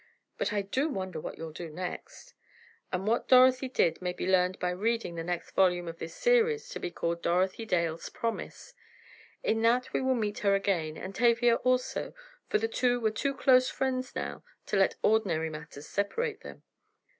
But I do wonder what you'll do next?" And what Dorothy did may be learned by reading the next volume of this series to be called, "Dorothy Dale's Promise." In that we will meet her again, and Tavia also, for the two were too close friends now to let ordinary matters separate them.